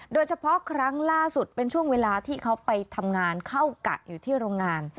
โดยเฉพาะครั้งล่าสุดเป็นช่วงเวลาที่เขาไปทำงานเข้ากัดอยู่ที่โรงงาน